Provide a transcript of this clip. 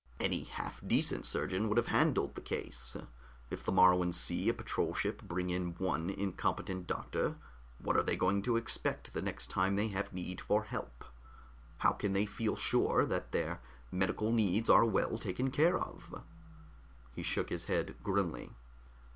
"Any half decent surgeon would have handled the case. If the Moruans see a patrol ship bring in one incompetent doctor, what are they going to expect the next time they have need for help? How can they feel sure that their medical needs are well taken care of?" He shook his head grimly.